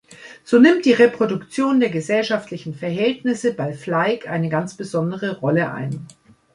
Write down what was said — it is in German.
So nimmt die Reproduktion der gesellschaftlichen Verhältnisse bei Flaig eine ganz besondere Rolle ein.